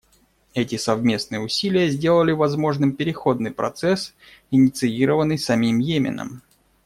Эти совместные усилия сделали возможным переходный процесс, инициированный самим Йеменом.